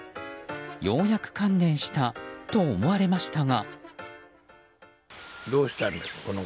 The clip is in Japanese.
ようやく観念したと思われましたが。